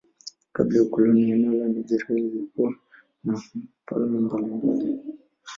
Kabla ya ukoloni eneo la Nigeria lilikuwa na falme mbalimbali.